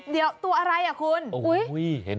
เดี๋ยวตัวอะไรอ่ะคุณ